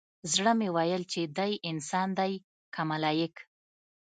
زړه مې ويل چې دى انسان دى که ملايک.